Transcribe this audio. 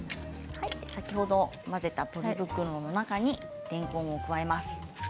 先ほど混ぜたポリ袋の中にれんこんを加えます。